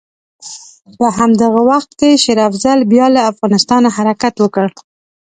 په همدغه وخت کې شېر افضل بیا له افغانستانه حرکت وکړ.